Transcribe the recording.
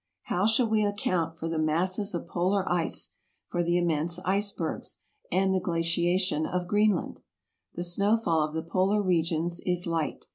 How shall we account for the masses of polar ice, for the immense icebergs, and the glaciation of Greenland ? The snowfall of the polar regions is light.